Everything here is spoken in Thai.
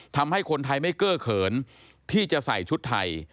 ทำให้คนไทยไม่เกื้อเขินที่จะใส่ชุดไทย